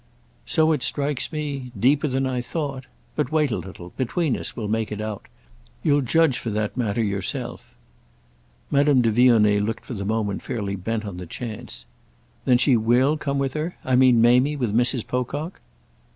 "So it strikes me deeper than I thought. But wait a little—between us we'll make it out. You'll judge for that matter yourself." Madame de Vionnet looked for the moment fairly bent on the chance. "Then she will come with her?—I mean Mamie with Mrs. Pocock?"